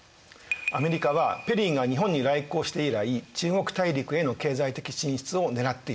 アメリカはペリーが日本に来航して以来中国大陸への経済的進出を狙っていました。